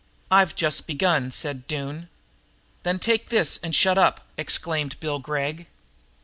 "I've just begun," said Doone. "Then take this and shut up," exclaimed Bill Gregg.